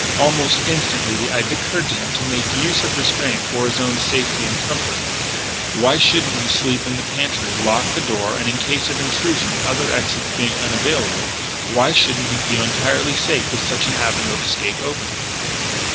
Almost instantly the idea occurred to him to make use of the drain for his own safety and comfort. Why shouldn't he sleep in the pantry, lock the door, and, in case of intrusion, other exits being unavailable, why shouldn't he feel entirely safe with such an avenue of escape open?